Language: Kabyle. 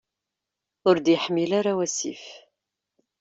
Ur d-yeḥmil ara wasif.